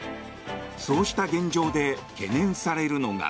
そうした現状で懸念されるのが。